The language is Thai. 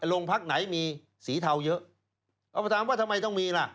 โรงพักไหนมีสีเทาเยอะเอามาถามว่าทำไมต้องมีล่ะ